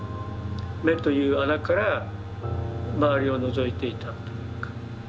目という穴から周りをのぞいていたというか。